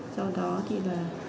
sau đó thì là